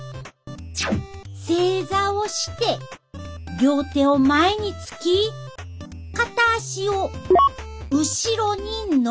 正座をして両手を前につき片足を後ろにのばす。